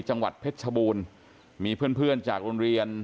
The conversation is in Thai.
จังหวัดเพชรชบูรณ์มีเพื่อนเพื่อนจากโรงเรียน